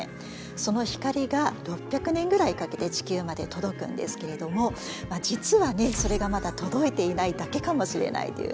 その光が６００年ぐらいかけて地球まで届くんですけれども実はそれがまだ届いていないだけかもしれないっていうね